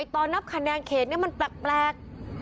ตอนนับคะแนนเขตนี้มันแปลก